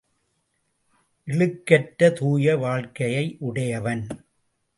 இழுக்கற்ற தூய வாழ்க்கையை உடையவன்.